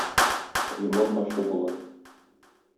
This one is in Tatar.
Лимон ачы була.